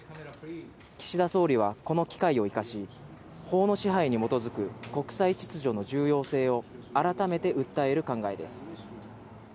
岸田総理はこの機会を生かし、法の支配に基づく国際秩序の重要性を改めて訴える考えです。